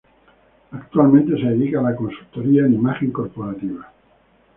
Actualmente se dedica a la consultoría en imagen corporativa.